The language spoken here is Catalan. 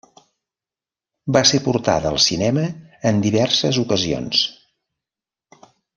Va ser portada al cinema en diverses ocasions.